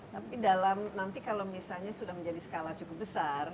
tapi dalam nanti kalau misalnya sudah menjadi skala cukup besar